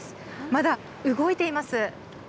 まだ動いています。